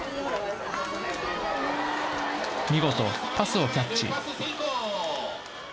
見事、パスをキャッチ。